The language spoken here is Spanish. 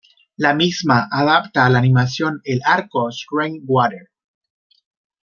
La misma adapta a la animación el arco "Shrine Water".